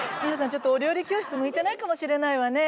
ちょっとお料理教室向いてないかもしれないわね。